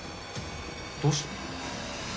どうして？